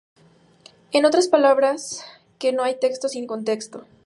En otras palabras, que no hay texto sin contexto.